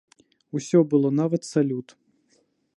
Усё было, нават салют.